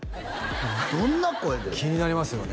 どんな声気になりますよね